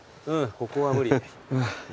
ここは無理。